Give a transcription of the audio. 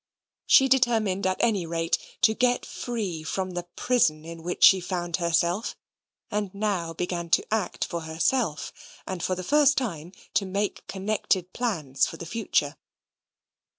She determined at any rate to get free from the prison in which she found herself, and now began to act for herself, and for the first time to make connected plans for the future.